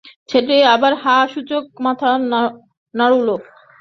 ছেলেটি আবার হাঁ-সূচক মাথা নাড়ুল।